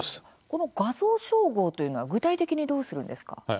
この画像照合というのは具体的にどうするんですか？